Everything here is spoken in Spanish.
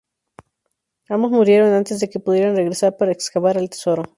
Ambos murieron antes de que pudieran regresar para excavar el tesoro.